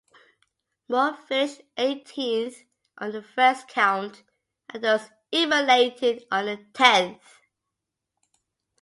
Moore finished eighteenth on the first count, and was eliminated on the tenth.